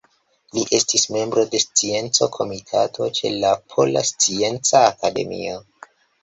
Li estis membro de Scienco-Komitato ĉe la Pola Scienca Akademio.